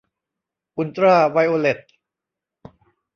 อุลตร้าไวโอเลต